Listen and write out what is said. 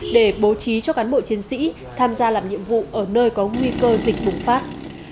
để bố trí cho cán bộ chiến sĩ tham gia làm nhiệm vụ ở nơi có nguy cơ dịch bùng phát